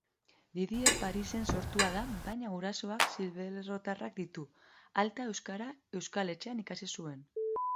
Didier Parisen sortua da baina gurasoak xiberotarrak ditu. Alta, euskara Euskal Etxean ikasi zuen.